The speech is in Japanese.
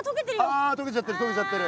あ溶けちゃってる溶けちゃってる！